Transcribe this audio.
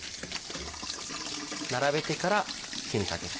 並べてから火にかける。